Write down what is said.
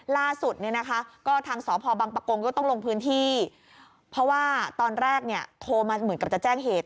ล่าสุดเนี่ยนะคะก็ทางสพบังปะกงก็ต้องลงพื้นที่เพราะว่าตอนแรกเนี่ยโทรมาเหมือนกับจะแจ้งเหตุ